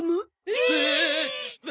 えっ！？